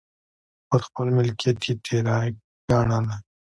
پر خپل ملکیت یې تېری ګڼلی.